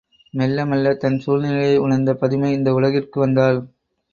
மெல்ல மெல்ல தன் சூழ்நிலையை உணர்ந்த பதுமை இந்த உலகிற்கு வந்தாள்.